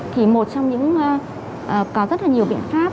thì một trong những có rất là nhiều biện pháp